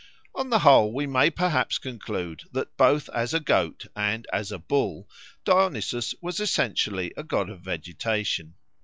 On the whole we may perhaps conclude that both as a goat and as a bull Dionysus was essentially a god of vegetation.